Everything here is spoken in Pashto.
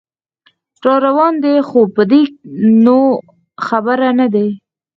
راروان دی خو په دې نو خبر نه دی